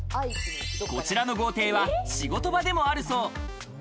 こちらの豪邸は仕事場でもあるそう。